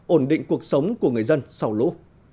ổn định cuộc sống của người dân sau lũ